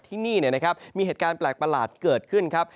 ที่นี่นะครับมีเหตุการณ์แปลกประหลาดเกิดขึ้นครับ